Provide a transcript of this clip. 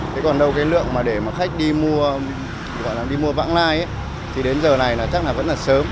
thế còn đâu cái lượng mà để mà khách đi mua gọi là đi mua vãng lai thì đến giờ này là chắc là vẫn là sớm